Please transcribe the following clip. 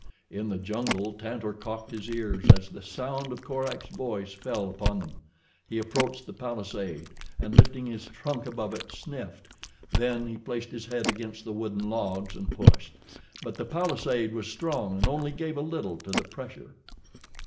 In the jungle Tantor cocked his ears as the sound of Korak's voice fell upon them. He approached the palisade and lifting his trunk above it, sniffed. Then he placed his head against the wooden logs and pushed; but the palisade was strong and only gave a little to the pressure.